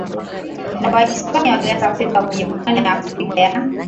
na Wahispania walianza kufika kwenye pwani za Afrika ya